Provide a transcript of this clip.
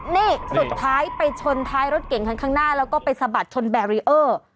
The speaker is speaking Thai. นี่สุดท้ายไปชนท้ายรถเก่งคันข้างหน้าแล้วก็ไปสะบัดชนแบรีเออร์